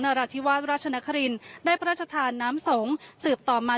ราธิวาสราชนครินได้พระราชทานน้ำสงฆ์สืบต่อมา